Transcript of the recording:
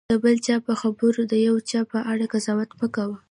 د بل چا په خبرو د یو چا په اړه قضاوت مه کوه.